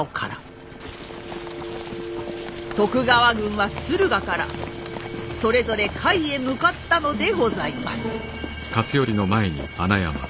徳川軍は駿河からそれぞれ甲斐へ向かったのでございます。